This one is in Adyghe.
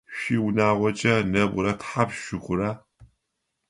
Шъуиунагъокӏэ нэбгырэ тхьапш шъухъура?